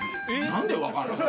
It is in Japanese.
何で分かるの？